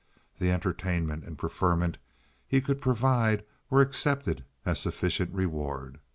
The entertainment and preferment he could provide were accepted as sufficient reward.